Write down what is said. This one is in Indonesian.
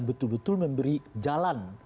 betul betul memberi jalan